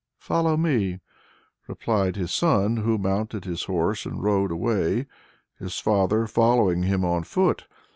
"Follow me!" replied his son, who mounted his horse and rode away, his father following him on foot.